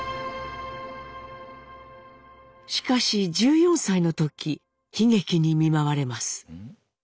しかし１４歳の時悲劇に見舞われます。